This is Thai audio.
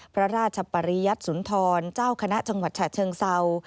พระราชปริยัติสุนทรเจ้าคณะจังหวัดฉะเชิงเศร้า